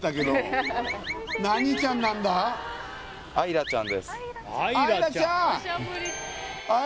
桜ちゃん